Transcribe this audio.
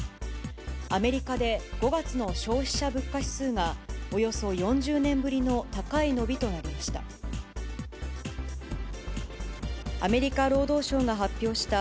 アメリカで５月の消費者物価指数がおよそ４０年ぶりの高い伸びとなりました。